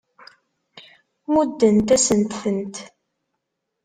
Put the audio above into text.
Muddent-asent-tent.